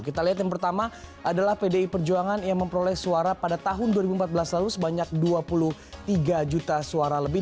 kita lihat yang pertama adalah pdi perjuangan yang memperoleh suara pada tahun dua ribu empat belas lalu sebanyak dua puluh tiga juta suara lebih